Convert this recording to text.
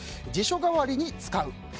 辞書代わりに使う。